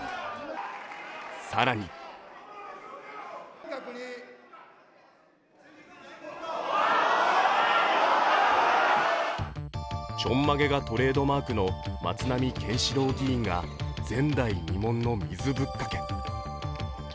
更にちょんまげがトレードマークの松浪健四郎議員が前代未聞の水ぶっかけ。